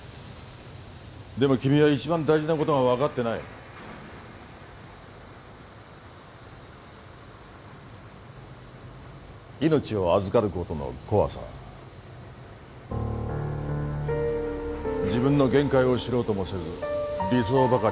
でも君は一番大事なことが分かってない命を預かることの怖さ自分の限界を知ろうともせず理想ばかり